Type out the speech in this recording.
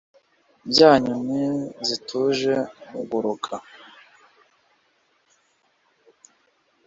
bya nyoni zituje muguruka.